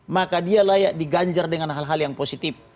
maka dia layak diganjar dengan hal hal yang positif